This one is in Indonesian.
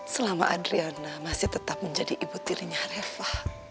selama adriana masih tetap menjadi ibu tirinya reva